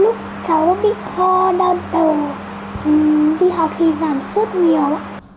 lúc cháu bị ho đau đầu đi học thì giảm suốt nhiều